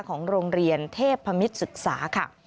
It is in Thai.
ของโรงเรียนเทพพมิตรศึกษาค่ะ